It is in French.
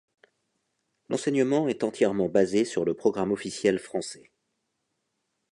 L'enseignement est entièrement basé sur le programme officiel français.